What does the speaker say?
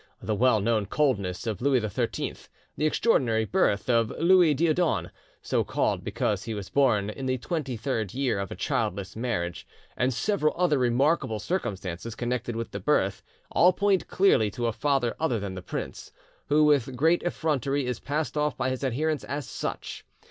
The well known coldness of Louis XIII; the extraordinary birth of Louis Dieudonne, so called because he was born in the twenty third year of a childless marriage, and several other remarkable circumstances connected with the birth, all point clearly to a father other than the prince, who with great effrontery is passed off by his adherents as such.